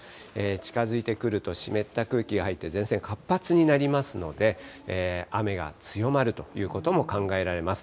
近づいてくると、湿った空気が入って、前線活発になりますので、雨が強まるということも考えられます。